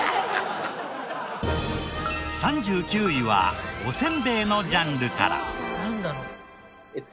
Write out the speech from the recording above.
３９位はおせんべいのジャンルから。